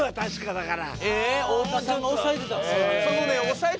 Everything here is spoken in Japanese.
だから。